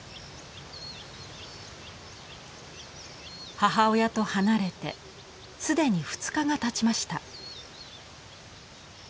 母親と離れて既に２日がたちました。